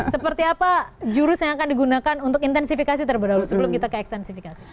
seperti apa jurus yang akan digunakan untuk intensifikasi terlebih dahulu sebelum kita ke ekstensifikasi